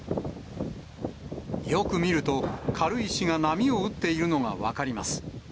よく見ると、軽石が波を打っているのが分かります。